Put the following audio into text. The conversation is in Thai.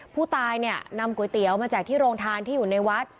ผู้ตายเนี่ยนำก๋วยเตี๋ยวมาแจกที่โรงทานที่อยู่ในวัด